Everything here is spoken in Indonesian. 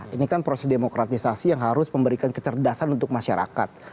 ini kan proses demokratisasi yang harus memberikan kecerdasan untuk masyarakat